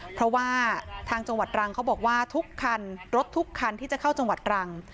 เพราะว่าทางจังหวัดรังเขาบอกว่าทุกคันรถทุกคันที่จะเข้าจังหวัดรัง